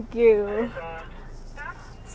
เมฆีลาซา